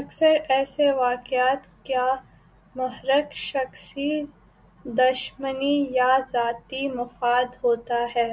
اکثر ایسے واقعات کا محرک شخصی دشمنی یا ذاتی مفاد ہوتا ہے۔